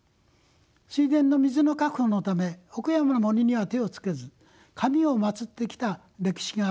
水田の水の確保のため奥山の森には手をつけず神を祀ってきた歴史があります。